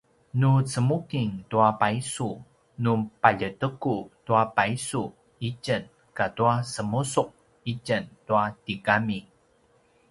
nu cemuking tua paysu nu paljeteku tua paysu itjen katua semusu’ itjen tua tigami